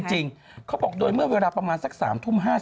จริงเขาบอกโดยเมื่อเวลาประมาณสัก๓ทุ่ม๕๐